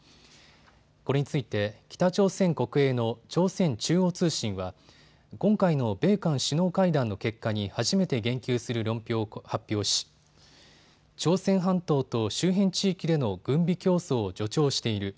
これについて北朝鮮国営の朝鮮中央通信は今回の米韓首脳会談の結果に初めて言及する論評を発表し朝鮮半島と周辺地域での軍備競争を助長している。